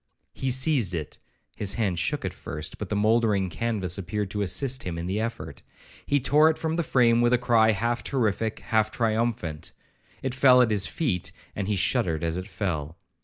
He seized it;—his hand shook at first, but the mouldering canvas appeared to assist him in the effort. He tore it from the frame with a cry half terrific, half triumphant;—it fell at his feet, and he shuddered as it fell.